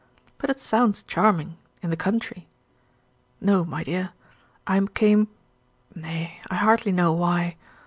But it sounds charming in the country. No, my dear; I came nay, I hardly know why.